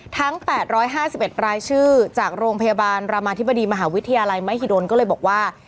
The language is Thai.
ทั้ง๘๕๑รายชื่อจากโรงพยาบาลรามาธิบดีมหาวิทยาลัยมหิดลก็เลยบอกว่า